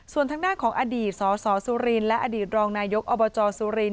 ส่วนทางด้านของอดีตสสสุรินและอดีตรองนายกอบจสุรินท